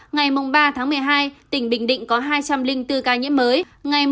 ngày ba tháng một mươi hai tỉnh bình định có hai trăm linh bốn ca nhiễm mới